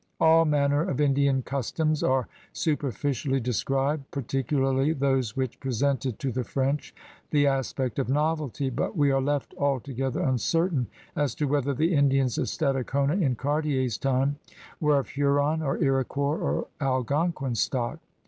All manner of Indian customs are superficially described, particularly those which presented to the French the aspect of novelty, but we are left altogether uncertain as to whether the Indians at Stadacona in Cartier's time were of Huron or Iroquois or Algonquin stock.